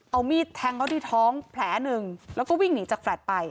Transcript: เอามีดแทงเขาที่ท้องแผลหนึ่งแล้วก็วิ่งหนีจากแฟลตไป